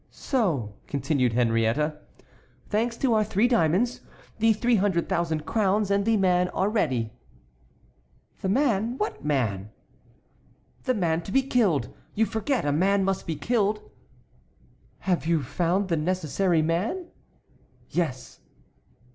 "So," continued Henriette, "thanks to our three diamonds, the three hundred thousand crowns and the man are ready." "The man? What man?" "The man to be killed; you forget a man must be killed." "Have you found the necessary man?" "Yes."